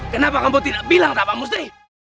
kenapa kamu tidak bilang tak pak mustri